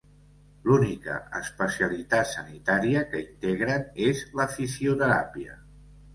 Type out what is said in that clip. L'única especialitat sanitària que integren és la fisioteràpia.